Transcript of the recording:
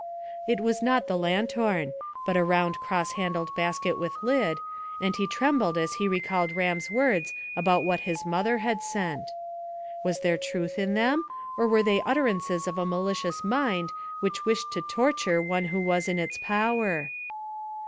It was not the lanthorn, but a round cross handled basket with lid, and he trembled as he recalled Ram's words about what his mother had sent. Was there truth in them, or were they the utterances of a malicious mind which wished to torture one who was in its power?